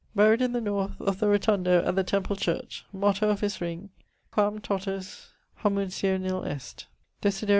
Buried in the north of the rotundo at the Temple Church. Motto of his ring: Quam totus homuncio nil est. _Note.